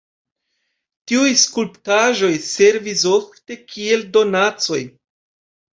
Tiuj skulptaĵoj servis ofte kiel donacoj.